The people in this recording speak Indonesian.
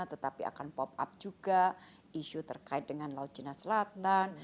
tetapi akan pop up juga isu terkait dengan laut cina selatan